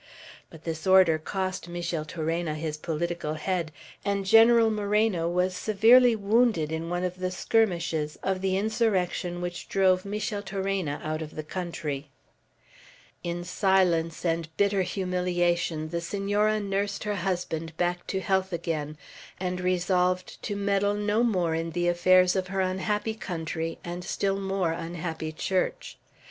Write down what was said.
But this order cost Micheltorena his political head, and General Moreno was severely wounded in one of the skirmishes of the insurrection which drove Micheltorena out of the country. In silence and bitter humiliation the Senora nursed her husband back to health again, and resolved to meddle no more in the affairs of her unhappy country and still more unhappy Church.